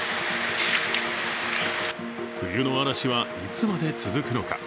冬の嵐はいつまで続くのか。